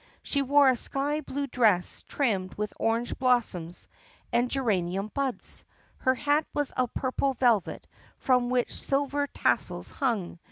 She wore a sky blue dress trimmed with orange blossoms and ger anium buds. Her hat was of purple velvet from which silver tassels hung.